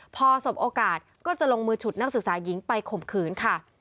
พอสบโอกาสก็จะลงมือฉุดนักศึกษาหญิงไปข่มขืนค่ะ